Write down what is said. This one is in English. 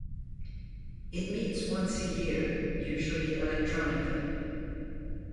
It meets once a year, usually electronically.